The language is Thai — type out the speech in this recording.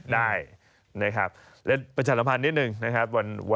ได้นะครับและปัจจันทรภัณฑ์นิดนึงนะครับ